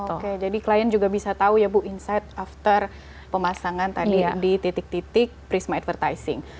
oke jadi klien juga bisa tahu ya bu insight after pemasangan tadi di titik titik prisma advertising